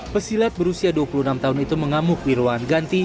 pesilat berusia dua puluh enam tahun itu mengamuk di ruangan ganti